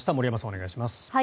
お願いします。